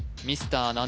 ミスター